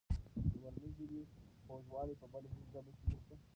د مورنۍ ژبې خوږوالی په بله هېڅ ژبه کې نشته.